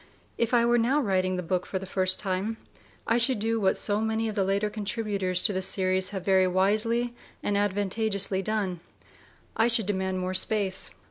If I were now writing the book for the first time, I should do what so many of the later contributors to the series have very wisely and advantageously done: I should demand more space.